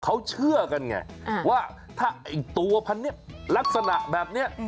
เขาเชื่อกันไงว่าถ้าตัวพันธุ์เนี่ยลักษณะแบบเนี่ย